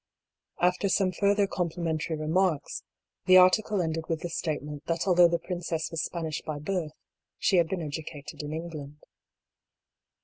After some further complimentary remarks, the article ended with the statement that although the princess was Spanish by birth, she had been educated in England.